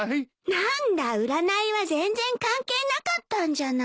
何だ占いは全然関係なかったんじゃない。